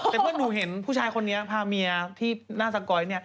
แต่เพื่อนหนูเห็นผู้ชายคนนี้พาเมียที่หน้าสก๊อยเนี่ย